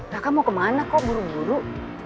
raka mau kemana kok buru buru